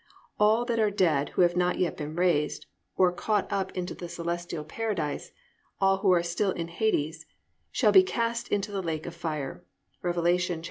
all that are dead who have not yet been raised, or caught up into the Celestial Paradise, all who are still in Hades, shall be +"cast into the lake of fire"+ (Rev. 20:14).